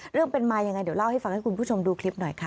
เรื่องเป็นมายังไงเดี๋ยวเล่าให้ฟังให้คุณผู้ชมดูคลิปหน่อยค่ะ